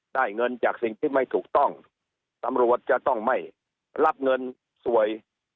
ได้เงินจากสิ่งที่ไม่ถูกต้องตำรวจจะต้องไม่รับเงินสวย